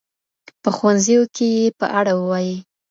په ښوونځیو کي یې په اړه ووایئ.